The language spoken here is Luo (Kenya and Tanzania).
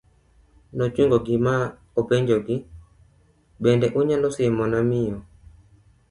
nochungo gi ma openjogi, bende unyalo siemona miyo